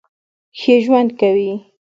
کښې ژؤند کوي